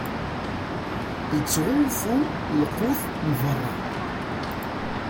Ittɣunfu lqut n berra.